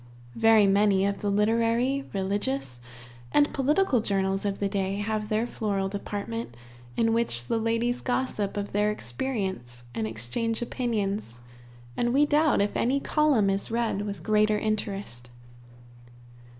Very many of the literary, religious, and political journals of the day have their floral department, in which the ladies gossip of their experience and exchange opinions, and we doubt if any column is read with greater interest.